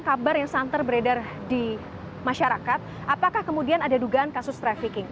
kabar yang santer beredar di masyarakat apakah kemudian ada dugaan kasus trafficking